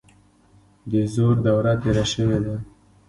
د زور دوره تیره شوې ده.